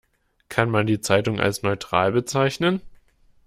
Kann man die Zeitung als neutral bezeichnen?